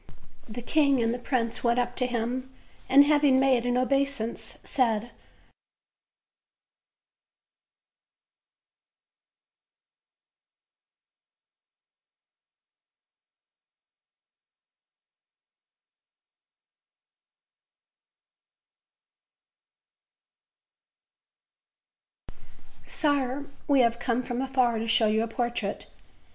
The king and the prince went up to him, and, having made an obeisance, said: "Sire, we have come from afar to show you a portrait."